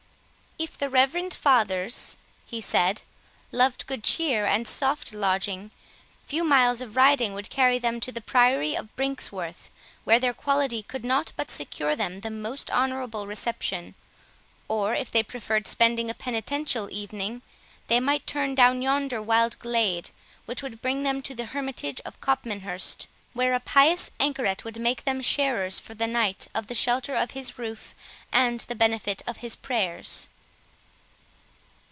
"If the reverend fathers," he said, "loved good cheer and soft lodging, few miles of riding would carry them to the Priory of Brinxworth, where their quality could not but secure them the most honourable reception; or if they preferred spending a penitential evening, they might turn down yonder wild glade, which would bring them to the hermitage of Copmanhurst, where a pious anchoret would make them sharers for the night of the shelter of his roof and the benefit of his prayers."